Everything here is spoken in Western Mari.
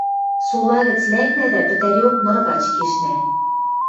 Сола гӹц лӓкнӓ дӓ пӹтӓриок ныр гач кешнӓ.